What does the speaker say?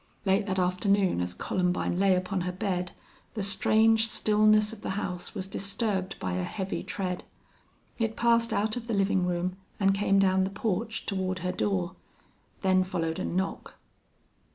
Late that afternoon, as Columbine lay upon her bed, the strange stillness of the house was disturbed by a heavy tread. It passed out of the living room and came down the porch toward her door. Then followed a knock.